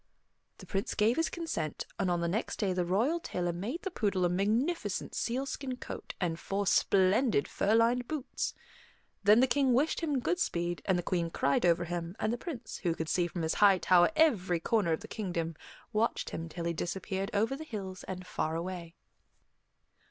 The Prince gave his consent, and on the next day the royal tailor made the poodle a magnificent sealskin coat and four splendid fur lined boots. Then the King wished him good speed, the Queen cried over him, and the Prince, who could see from his high tower every corner of the kingdom, watched him till he disappeared over the hills and far away.